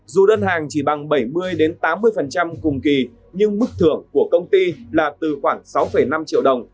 dù đơn hàng chỉ bằng bảy mươi tám mươi cùng kỳ nhưng mức thưởng của công ty là từ khoảng sáu năm triệu đồng